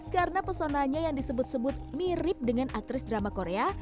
karena personanya yang disebut sebut mirip dengan aktris drama korea